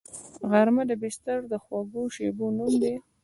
غرمه د بستر د خوږو شیبو نوم دی